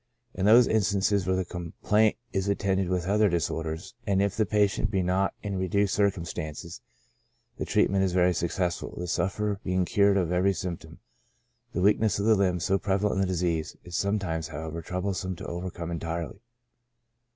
In those instan ces where the complaint is unattended with other disorders, and if the patient be not in reduced circumstances, the treatment is very successful, the sufferer being cured of •every symptom ; the weakness of the limbs, so prevalent in this disease, is sometimes, however, troublesome to over come entirely.